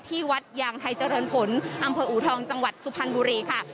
ที่วัดยางไทยเจริญผลอำเภออูทองจังหวัดสุพรรณบุรีค่ะ